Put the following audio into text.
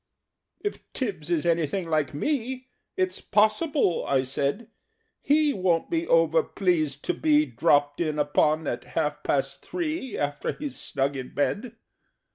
"If Tibbs is anything like me, It's possible," I said, "He won't be over pleased to be Dropped in upon at half past three, After he's snug in bed.